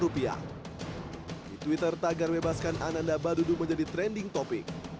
di twitter tagar bebaskan ananda badudu menjadi trending topic